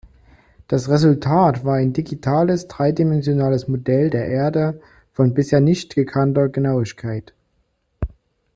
Das Resultat war ein digitales dreidimensionales Modell der Erde von bisher nicht gekannter Genauigkeit.